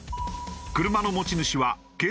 車の持ち主は